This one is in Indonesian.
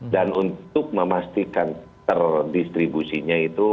untuk memastikan terdistribusinya itu